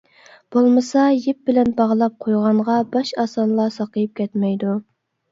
بولمىسا، يىپ بىلەن باغلاپ قويغانغا باش ئاسانلا ساقىيىپ كەتمەيدۇ.